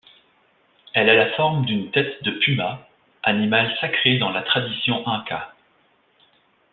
Elle a la forme d'une tête de puma, animal sacré dans la tradition inca.